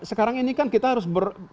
sekarang ini kan kita harus